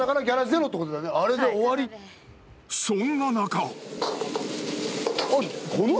［そんな中］